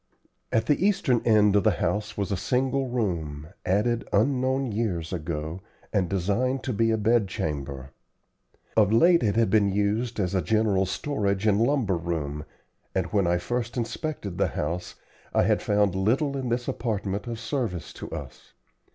At the eastern end of the house was a single room, added unknown years ago, and designed to be a bed chamber. Of late it had been used as a general storage and lumber room, and when I first inspected the house, I had found little in this apartment of service to us.